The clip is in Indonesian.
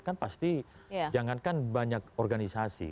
kan pasti jangankan banyak organisasi